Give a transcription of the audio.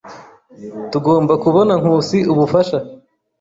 Tugomba kubona Nkusi ubufasha.